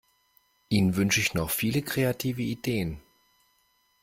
Ihnen wünsche ich noch viele kreative Ideen!